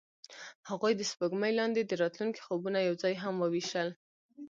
هغوی د سپوږمۍ لاندې د راتلونکي خوبونه یوځای هم وویشل.